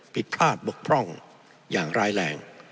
ผิดพลาดบกพร่องอย่างร้ายแรง